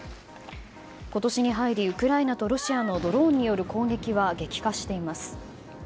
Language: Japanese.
今年に入りウクライナとロシアのドローンによる攻撃は激化しています。